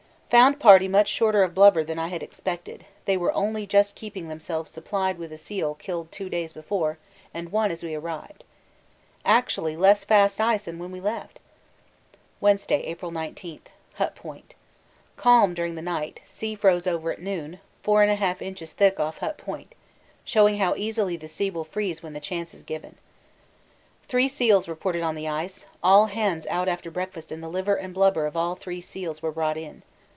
Found party much shorter of blubber than I had expected they were only just keeping themselves supplied with a seal killed two days before and one as we arrived. Actually less fast ice than when we left! Wednesday, April 19. Hut Point. Calm during night, sea froze over at noon, 4 1/2 inches thick off Hut Point, showing how easily the sea will freeze when the chance is given. Three seals reported on the ice; all hands out after breakfast and the liver and blubber of all three seals were brought in.